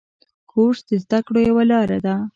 کورس د زده کړو یوه لاره ده.